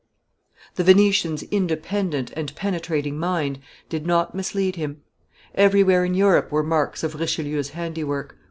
The Venetian's independent and penetrating mind did not mislead him; everywhere in Europe were marks of Richelieu's handiwork.